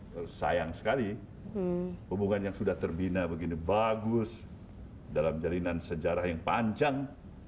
terus sayang sekali hubungan yang sudah terbina begini bagus dalam jarinan sejarah yang panjang